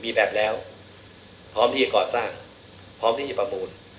มีแบบแล้วพร้อมที่จะก่อสร้างพร้อมที่จะประมูล